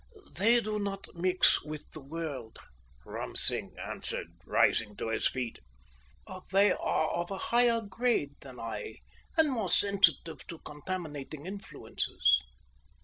"They do not mix with the world," Ram Singh answered, rising to his feet. "They are of a higher grade than I, and more sensitive to contaminating influences.